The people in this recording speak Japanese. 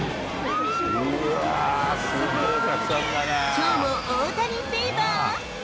きょうも大谷フィーバー。